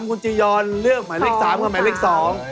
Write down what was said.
คุณจิยรเลือกหมายเล็กทั้ง๓กับหมายเล็กทั้ง๒